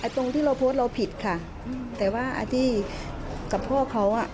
ตรงที่เราโพสต์เราผิดค่ะแต่ว่าที่กับพ่อเขาอ่ะ